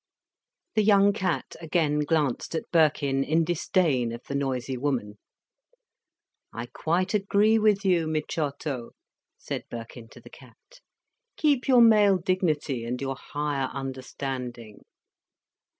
The young cat again glanced at Birkin in disdain of the noisy woman. "I quite agree with you, Miciotto," said Birkin to the cat. "Keep your male dignity, and your higher understanding."